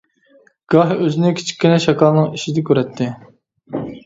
گاھ ئۆزىنى كىچىككىنە شاكالنىڭ ئىچىدە كۆرەتتى.